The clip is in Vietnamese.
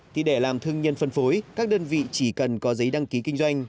thì để làm thương nhân phân phối các đơn vị chỉ cần có giấy đăng ký kinh doanh